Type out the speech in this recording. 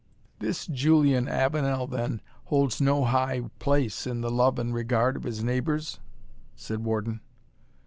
"This Julian Avenel, then, holds no high place in the love and regard of his neighbours?" said Warden.